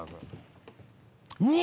うわ！